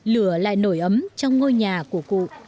lửa lại nổi ấm trong ngôi nhà của cụ